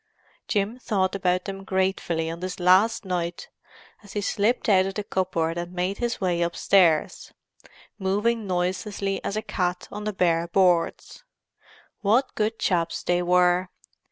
Jim thought about them gratefully on this last night as he slipped out of the cupboard and made his way upstairs, moving noiselessly as a cat on the bare boards. What good chaps they were!